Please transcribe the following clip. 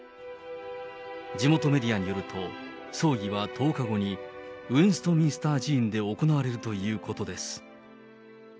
地元メディアによると、葬儀は１０日後に、ウエストミンスター寺院で行われるということです。